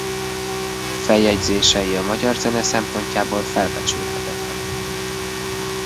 Feljegyzései a magyar zene szempontjából felbecsülhetetlenek.